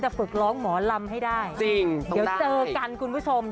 จะฝึกร้องถ้าแล้วเจอกันคุณผู้ชม